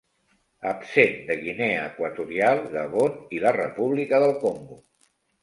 Absent de Guinea Equatorial, Gabon i la República del Congo.